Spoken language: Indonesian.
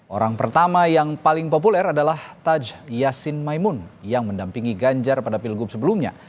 orang pertama yang paling populer adalah taj yasin maimun yang mendampingi ganjar pada pilgub sebelumnya